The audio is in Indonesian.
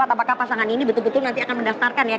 apakah pasangan ini betul betul nanti akan mendaftarkan ya